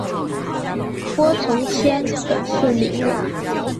郭从谦本是伶人。